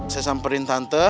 saya samperin tante